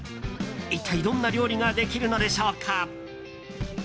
一体どんな料理ができるのでしょうか。